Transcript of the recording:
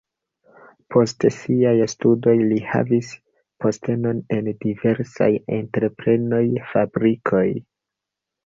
Post siaj studoj li havis postenon en diversaj entreprenoj, fabrikoj.